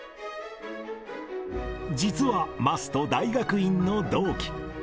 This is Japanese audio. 実は桝と大学院の同期。